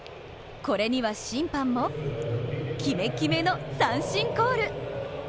これには審判も決め決めの三振コール。